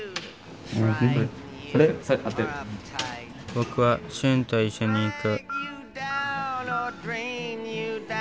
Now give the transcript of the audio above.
僕はしゅんと一緒に行く。